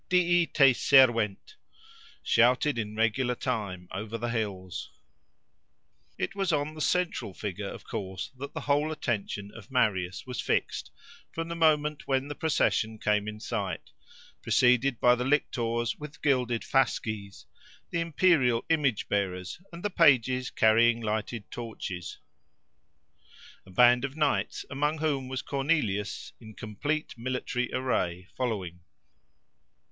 —Dii te servent!—shouted in regular time, over the hills. It was on the central figure, of course, that the whole attention of Marius was fixed from the moment when the procession came in sight, preceded by the lictors with gilded fasces, the imperial image bearers, and the pages carrying lighted torches; a band of knights, among whom was Cornelius in complete military, array, following.